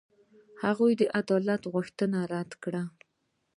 هغوی د عدالت غوښتنه رد کړه.